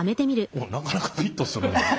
おっなかなかフィットする。